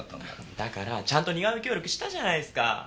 だからちゃんと似顔絵協力したじゃないっすか。